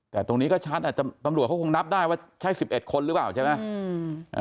แต่ตรงนี้ก็ชัดอาจจะตำรวจเขาคงนับได้ว่าใช่๑๑คนหรือเปล่าใช่ไหม